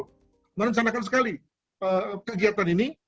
merencanakan sekali kegiatan ini